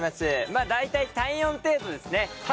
まあ大体体温程度ですね。